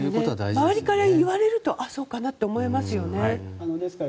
周りから言われるとそうかなと思えますよね。